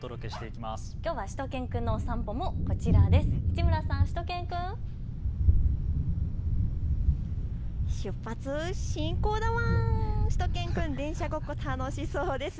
きょうはしゅと犬くんのお散歩もこちらです。